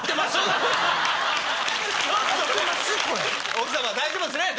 奥さま大丈夫ですよね？